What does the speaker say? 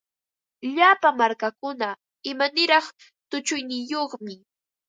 Llapa markakuna imaniraq tushuyniyuqmi.